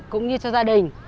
cũng như cho gia đình